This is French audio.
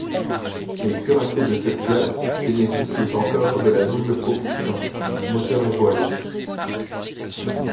Les cuirassés de cette classe bénéficiaient encore de la double propulsion, moteur et voile.